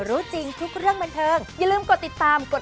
รู้จักคุณค่ะ